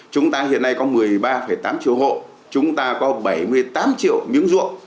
chúng ta hiện nay có một mươi ba tám triệu hộ chúng ta có bảy mươi tám triệu miếng ruộng